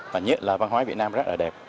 và nhất là văn hóa việt nam rất là đẹp